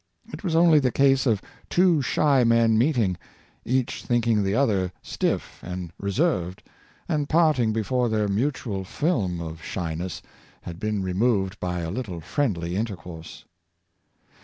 It was only the case of two shy men The Love of Home, 539 meeting, each thinking the other stiff and reserved, and parting before their mutual fihn of shyness had been removed by a Httle friendly intercourse.